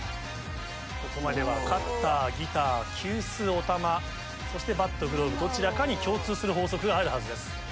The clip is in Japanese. ここまではカッターギター急須おたまそしてバットグローブどちらかに共通する法則があるはずです。